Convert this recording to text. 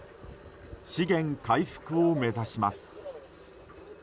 資源回復を目指します。